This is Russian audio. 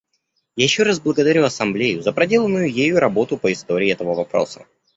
Я еще раз благодарю Ассамблею за проделанную ею работу по истории этого вопроса.